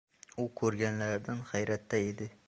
U koʻrganlaridan hayratda edi.